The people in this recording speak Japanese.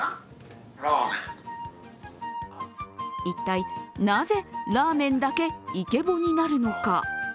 一体、なぜラーメンだけイケボになるのか。